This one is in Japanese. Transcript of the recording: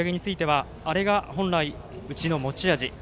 そして９回の追い上げについてはあれが本来、うちの持ち味。